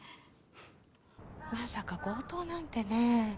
まさか強盗なんてねぇ。